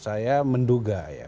saya menduga ya